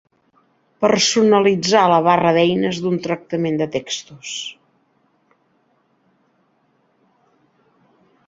Personalitzar la barra d'eines d'un tractament de textos.